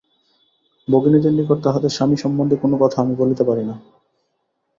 ভগিনীদের নিকট তাহাদের স্বামী সম্বন্ধে কোন কথা আমি বলিতে পারি না।